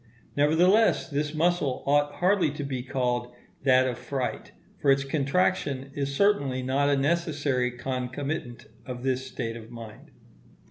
Nevertheless this muscle ought hardly to be called that of fright, for its contraction is certainly not a necessary concomitant of this state of mind.